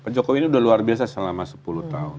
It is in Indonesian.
pencokok ini udah luar biasa selama sepuluh tahun